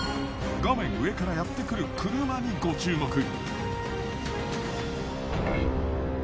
画面上からやってくる車にご注目。